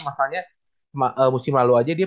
masalahnya musim lalu aja dia